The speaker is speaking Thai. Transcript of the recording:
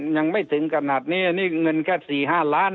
ยังไม่ถึงขนาดนี้นี่เงินแค่๔๕ล้าน